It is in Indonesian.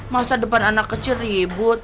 masa depan anak kecil ribut